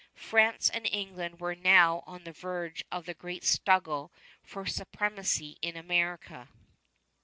France and England were now on the verge of the great struggle for supremacy in America.